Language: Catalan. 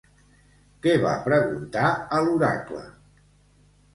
Què va preguntar a l'oracle?